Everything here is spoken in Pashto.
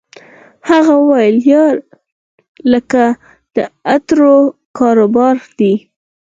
هغه ویل یار لکه د عطرو کاروبار دی